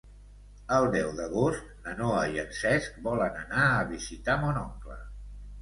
El deu d'agost na Noa i en Cesc volen anar a visitar mon oncle.